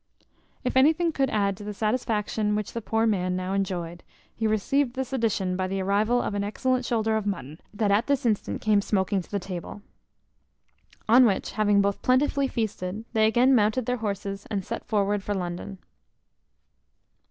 If anything could add to the satisfaction which the poor man now enjoyed, he received this addition by the arrival of an excellent shoulder of mutton, that at this instant came smoaking to the table. On which, having both plentifully feasted, they again mounted their horses, and set forward for London.